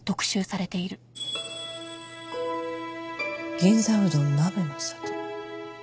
「銀座うどん鍋の里」。